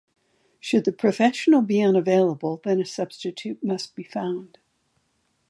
Should the professional be unavailable then a substitute must be found.